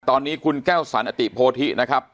ตอนนี้คุณแก้วสันอติโพธินะครับ